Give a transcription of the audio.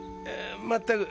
まったく。